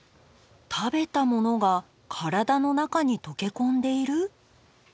食べたものが体の中に溶け込んでいる？